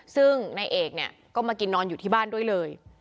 ซึ่งนายเอกเนี่ยก็มากินนอนอยู่ที่บ้านด้วยเลย